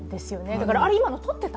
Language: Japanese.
だからあれ、今の撮ってた？